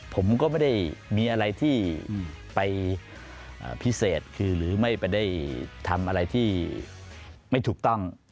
ผมก็ไม่ได้มีอะไรที่ไปพิเศษคือหรือไม่ได้ทำอะไรที่ไม่ถูกต้อง